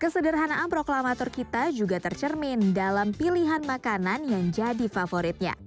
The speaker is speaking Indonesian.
kesederhanaan proklamator kita juga tercermin dalam pilihan makanan yang jadi favoritnya